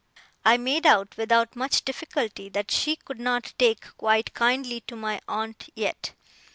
I made out, without much difficulty, that she could not take quite kindly to my aunt yet.